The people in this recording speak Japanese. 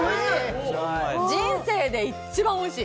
人生で一番おいしい。